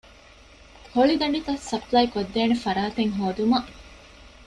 ހޮޅިދަނޑިތައް ސަޕްލައިކޮށްދޭނެ ފަރާތެއް ހޯދުމަށް